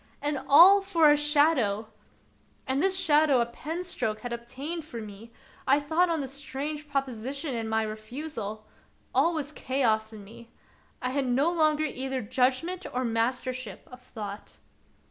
And all for a shadow ! And this shadow a pen stroke had obtained for me. I thought on the strange proposition and my refusal. All was of Peter Schlemihl. 65 chaos in me. I had no longer either judgment or mastership of thought.